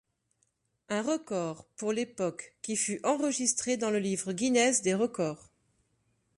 Un record, pour l'époque, qui fut enregistré dans le Livre Guinness des records.